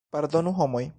Pardonu, homoj!